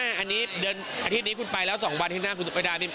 อันที่นี้คุณไปแล้ว๒วันที่หน้าคุณต้องไปด้านนี้